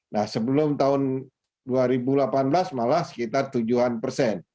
nah sebelum tahun dua ribu delapan belas malah sekitar tujuan persen